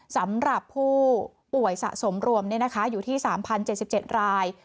สำหรับผู้ป่วยสะสมรวมอยู่ที่๓๐๗๗ราย